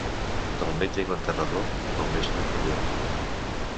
Del metge i l'enterrador, com més lluny millor.